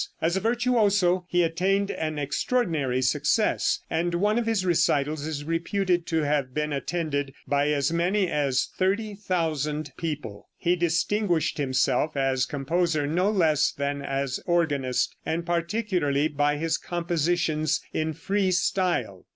As a virtuoso he attained an extraordinary success, and one of his recitals is reputed to have been attended by as many as 30,000 people. He distinguished himself as composer no less than as organist, and particularly by his compositions in free style.